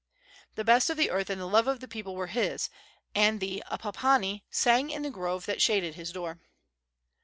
The best of the earth and the love of the people were his, and the apapani sang in the grove that shaded his door.